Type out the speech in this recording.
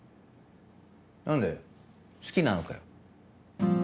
何だよ好きなのかよ。